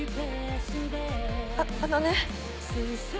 ああのね。